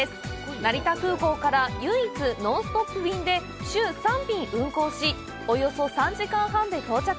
成田空港から唯一ノンストップ便で週３便運航し、およそ３時間半で到着。